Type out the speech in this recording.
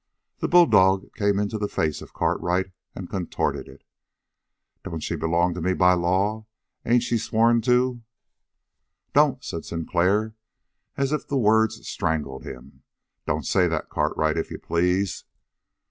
The bulldog came into the face of Cartwright and contorted it. "Don't she belong to me by law? Ain't she sworn to " "Don't" said Sinclair, as if the words strangled him. "Don't say that, Cartwright, if you please!"